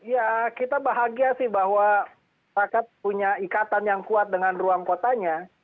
ya kita bahagia sih bahwa rakyat punya ikatan yang kuat dengan ruang kotanya